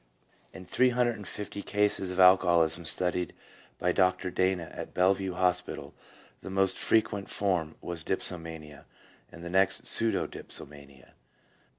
In 350 cases of alcoholism studied by Dr. Dana at Bellevue Hospital, the most frequent form was dipsomania, and the next pseudo dipsomania.